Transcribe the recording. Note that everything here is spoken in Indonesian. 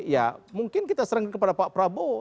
ya mungkin kita serangkan kepada pak prabowo